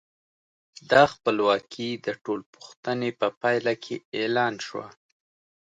دا خپلواکي د ټول پوښتنې په پایله کې اعلان شوه.